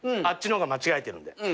あっちの方が間違えてるんで。